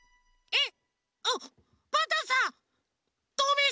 えっ？